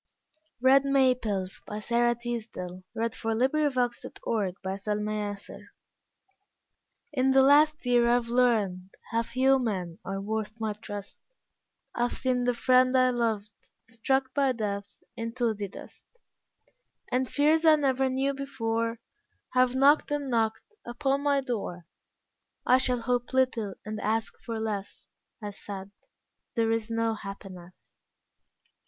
eep me from the peace of those Who are not lonely, having died. Red Maples In the last year I have learned How few men are worth my trust; I have seen the friend I loved Struck by death into the dust, And fears I never knew before Have knocked and knocked upon my door "I shall hope little and ask for less," I said, "There is no happiness."